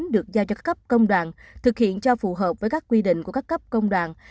được giao cho cấp công đoàn thực hiện cho phù hợp với các quy định của các cấp công đoàn